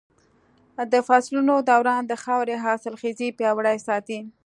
د فصلونو دوران د خاورې حاصلخېزي پياوړې ساتي.